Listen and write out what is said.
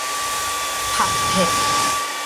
ผัดเผ็ด